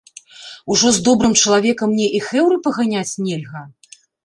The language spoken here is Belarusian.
Ужо з добрым чалавекам мне і хэўры паганяць нельга?!